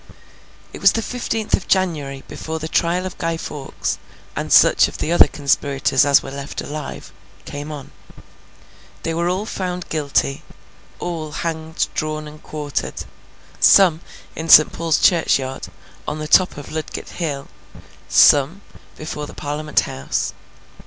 It was the fifteenth of January, before the trial of Guy Fawkes, and such of the other conspirators as were left alive, came on. They were all found guilty, all hanged, drawn, and quartered: some, in St. Paul's Churchyard, on the top of Ludgate hill; some, before the Parliament House.